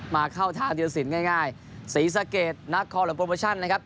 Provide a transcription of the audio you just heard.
มาเข้าทางเดียวสินง่ายศรีสะเกตนักคอร์และโปรโมชั่นนะครับ